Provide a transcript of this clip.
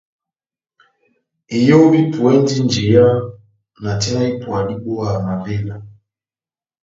Iyo vipuwɛndi njeya na tina ipwa dibówa mavela.